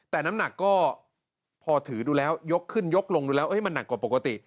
แต่น้ำหนักก็พอถือดูแล้วยกขึ้นยกลงดูแล้วมันหนักกว่าปกติ